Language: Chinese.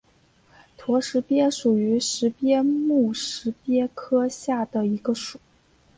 驼石鳖属为石鳖目石鳖科下的一个属。